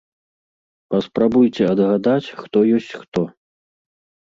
Паспрабуйце адгадаць, хто ёсць хто.